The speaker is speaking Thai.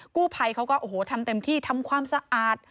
กู้ภัยเขาก็โอ้โหทำเต็มที่ทำความสะอาด